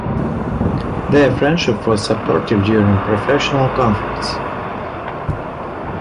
Their friendship was supportive during professional conflicts.